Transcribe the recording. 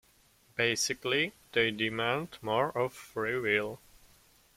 Basically, they demand more of "free will".